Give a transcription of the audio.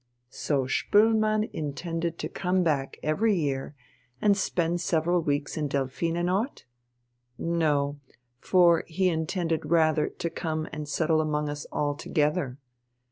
So Spoelmann intended to come back every year and spend several weeks in Delphinenort? No. For he intended rather to come and settle among us altogether.